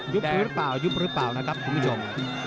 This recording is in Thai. หรือเปล่ายุบหรือเปล่านะครับคุณผู้ชม